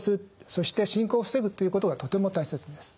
そして進行を防ぐということがとても大切です。